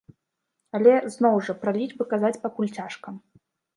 Але, зноў жа, пра лічбы казаць пакуль цяжка.